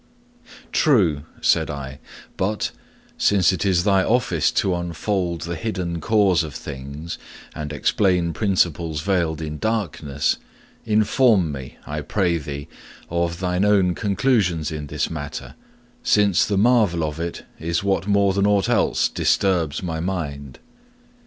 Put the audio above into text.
'True,' said I; 'but, since it is thy office to unfold the hidden cause of things, and explain principles veiled in darkness, inform me, I pray thee, of thine own conclusions in this matter, since the marvel of it is what more than aught else disturbs my mind.'